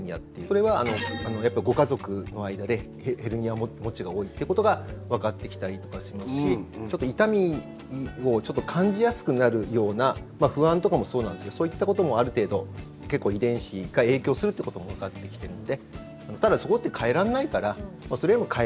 それはご家族の間でヘルニア持ちが多いということがわかってきたりとかしますしちょっと痛みを感じやすくなるような不安とかもそうなんですけどそういったこともある程度、遺伝子が影響するということもわかってきているので。